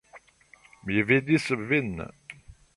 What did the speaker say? Mi vidis vin.